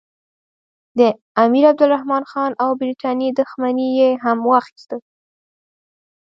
د امیرعبدالرحمن خان او برټانیې دښمني یې هم واخیسته.